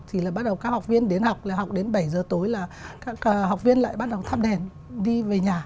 thì là bắt đầu các học viên đến học là học đến bảy h tối là các học viên lại bắt đầu thắp đèn đi về nhà